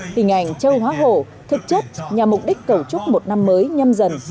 tình ảnh trâu hóa hổ thực chất nhà mục đích cầu chúc một năm mới nhâm dần